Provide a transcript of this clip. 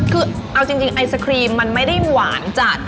คือเอาจริงไอศครีมมันไม่ได้หวานจัด